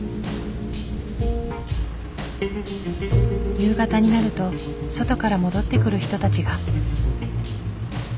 夕方になると外から戻ってくる人たちが。